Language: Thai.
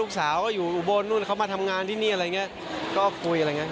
ลูกสาวก็อยู่อุบลนู่นเขามาทำงานที่นี่อะไรอย่างเงี้ยก็คุยอะไรอย่างนี้